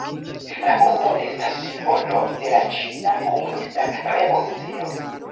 La urbo estas simbolo de la ĉina komunista revolucio.